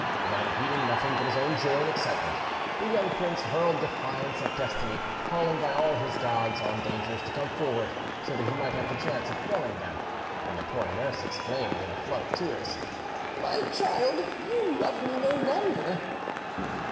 Then, heeding nothing but his own joy and excitement, the young prince hurled defiance at destiny, calling by all his gods on dangers to come forward, so that he might have the chance of quelling them, and the poor nurse exclaimed, in a flood of tears, "My child, you love me no longer."